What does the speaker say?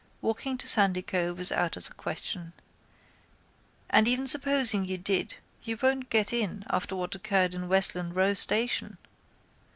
Walking to Sandycove is out of the question. And even supposing you did you won't get in after what occurred at Westland Row station.